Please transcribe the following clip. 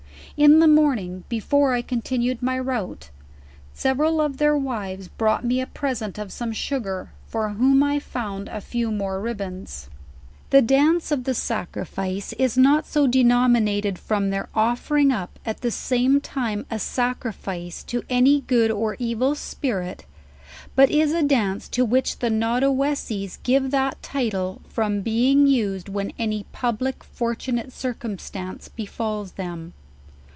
In the morning before 1 continued tny route, several of their wives brought me a present of some sugar, for whom I found a few more ribbands. "The dance of the sacrifice is not so denominated from their offering up at the same rime a sacrifice to any good or evil spirit, but is a.dancc to which the Naudovvessies .give that title from being used when any public fortunate circum stance befals them.